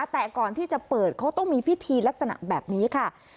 แต่ก่อนที่จะเปิดเขาต้องมีพิธีลักษณะแบบนี้ค่ะ